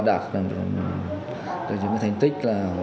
đạt được những thành tích